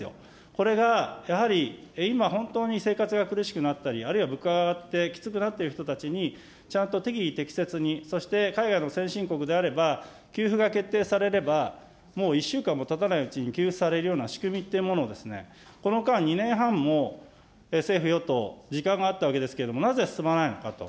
これが、やはり今、本当に生活が苦しくなっている、あるいは物価が上がってきつくなっている人たちに、ちゃんと適宜適切に、そして海外の先進国であれば、給付が決定されれば、もう１週間もたたないうちに給付されるような仕組みっていうものをこの間、２年半も政府・与党、時間があったわけですけれども、なぜ進まないのかと。